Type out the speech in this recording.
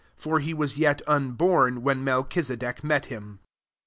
10 For he was yet unborn, when Melchisedec met him.